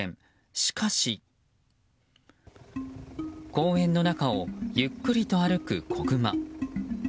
公園の中をゆっくりと歩く子グマ。